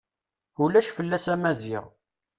Ulac fell-as a Maziɣ.